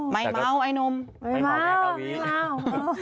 ไม่ม้าวไอ้นมไม่ม้าวไม่ม้าว